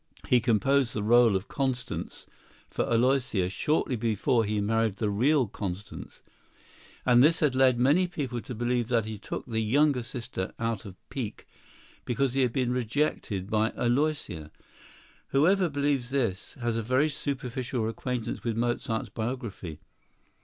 He composed the rôle of Constance for Aloysia shortly before he married the real Constance; and this has led many people to believe that he took the younger sister out of pique, because he had been rejected by Aloysia. Whoever believes this has a very superficial acquaintance with Mozart's biography.